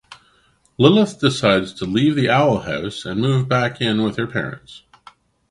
Lilith decides to leave the Owl House and move back in with her parents.